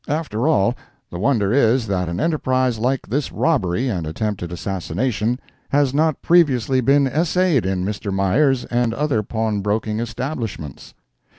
After all, the wonder is that an enterprise like this robbery and attempted assassination has not previously been essayed in Mr. Meyer's and other pawnbroking establishments.